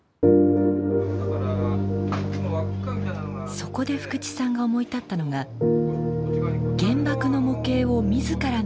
そこで福地さんが思い立ったのが原爆の模型を自らの手でつくることでした。